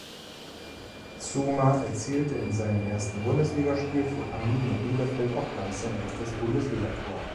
Zuma erzielte in seinem ersten Bundesligaspiel für Arminia Bielefeld auch gleich sein erstes Bundesligator.